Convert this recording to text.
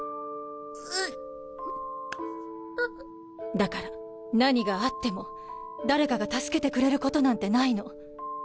だから何があっても誰かが助けてくれることなんてないの